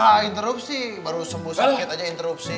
ya interupsi baru sembuh sakit aja interupsi